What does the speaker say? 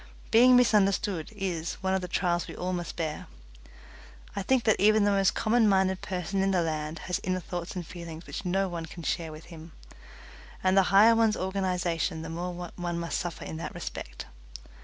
Being misunderstood is one of the trials we all must bear. I think that even the most common minded person in the land has inner thoughts and feelings which no one can share with him, and the higher one's organization the more one must suffer in that respect.